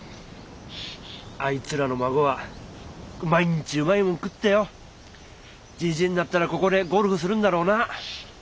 あいつらの孫は毎日うまいもん食ってよじじいになったらここでゴルフするんだろうな。